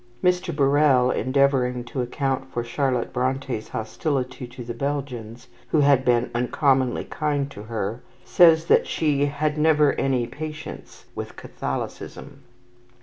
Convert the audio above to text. Mr. Birrell, endeavouring to account for Charlotte Bronte's hostility to the Belgians, who had been uncommonly kind to her, says that she "had never any patience" with Catholicism.